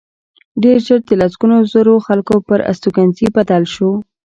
ډېر ژر د لسګونو زرو خلکو پر استوګنځي بدل شو